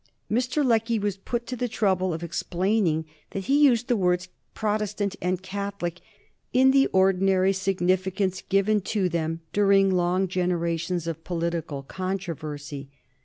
Mr. Lecky was put to the trouble of explaining that he used the words "Protestant" and "Catholic" in the ordinary significance given to them during long generations of political controversy.